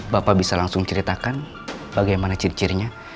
bapak bisa langsung ceritakan bagaimana ciri cirinya